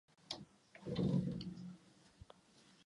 Jake Parry měl několik koček.